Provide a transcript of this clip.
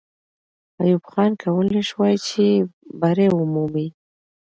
ایوب خان کولای سوای چې بری ومومي.